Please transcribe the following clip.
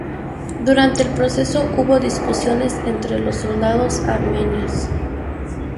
Durante el proceso, hubo discusiones entre los soldados armenios.